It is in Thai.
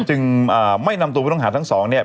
จึงไม่นำตัวผู้ต้องหาทั้งสองเนี่ย